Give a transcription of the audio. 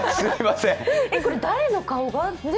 これ誰の顔が？